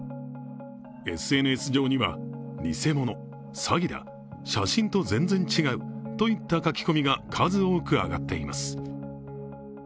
ＳＮＳ上には偽物、詐欺だ、写真と全然違うといった書き込みが数多く上がっています。